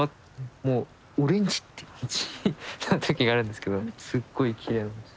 もうオレンジ！って感じの時があるんですけどすっごいきれいなんです。